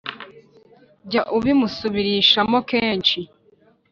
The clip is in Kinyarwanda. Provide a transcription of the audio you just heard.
jya ubimusubirishamo kenshi